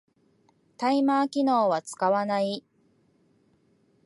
タイマー機能は使わない